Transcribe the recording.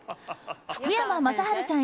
福山雅治さん